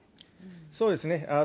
そうですね。